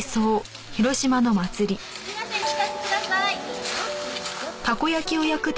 すみません２つください。